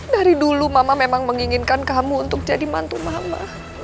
dari dulu mama memang menginginkan kamu untuk jadi mantu mama